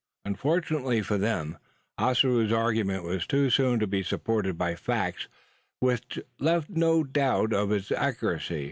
Unfortunately for them, Ossaroo's argument was too soon to be supported by facts which left no doubt of its accuracy.